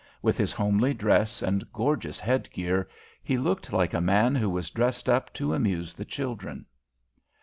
With his homely dress and gorgeous head gear, he looked like a man who has dressed up to amuse the children.